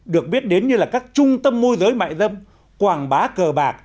được biết đến như là các trung tâm môi giới mại dâm quảng bá cờ bạc